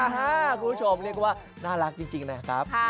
คุณผู้ชมเรียกว่าน่ารักจริงนะครับ